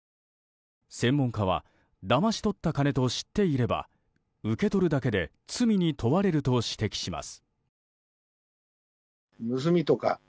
専門家はだまし取った金と知っていれば受け取るだけで罪に問われると指摘します。